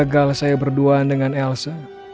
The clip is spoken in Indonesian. ya gagal saya berduaan dengan elsa